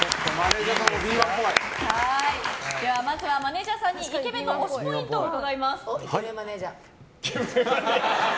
まずはマネジャーさんにイケメンの推しポイントをイケメンマネジャー！